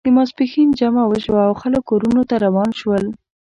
د ماسپښین جمعه وشوه او خلک کورونو ته روان شول.